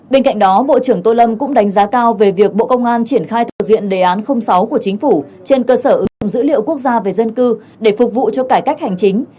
bên cạnh đó bộ trưởng tô lâm cũng đánh giá cao về việc bộ công an triển khai thực hiện đề án sáu của chính phủ trên cơ sở ứng dụng dữ liệu quốc gia về dân cư để phục vụ cho cải cách hành chính